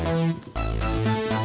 yang pengga maker